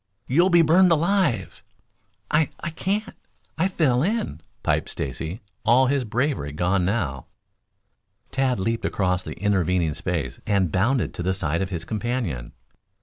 "You'll be burned alive!" "I I can't. I fell in," piped Stacy, all his bravery gone now. Tad leaped across the intervening space and bounded to the side of his companion.